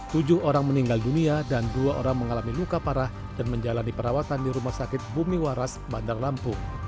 tujuh orang meninggal dunia dan dua orang mengalami luka parah dan menjalani perawatan di rumah sakit bumi waras bandar lampung